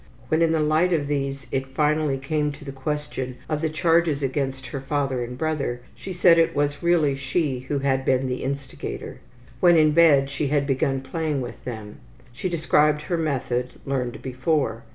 When, in the light of these, it finally came to the question of the charges against her father and brother she said that it was really she who had been the instigator. When in bed she had begun playing with them. She described her method, learned before.